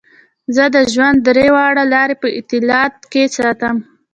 زۀ د ژوند درې واړه لارې پۀ اعتدال کښې ساتم -